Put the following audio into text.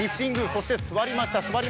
そして座りました。